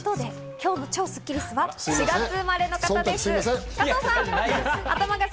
今日の超スッキりすは４月生まれの方、加藤さんです。